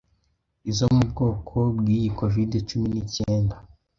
izo mu bwoko bw'iyi Covid-cumi nicyenda